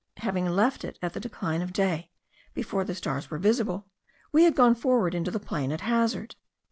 Having left it at the decline of day, before the stars were visible, we had gone forward into the plain at hazard.